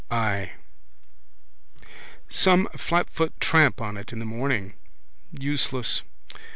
I. Some flatfoot tramp on it in the morning. Useless.